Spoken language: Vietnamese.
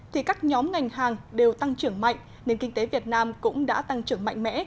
thì các nhóm ngành hàng đều tăng trưởng mạnh nên kinh tế việt nam cũng đã tăng trưởng mạnh mẽ